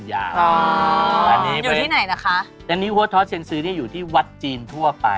หัวท้อเซียนซือนี่อยู่ที่วัดจีนทั่วไป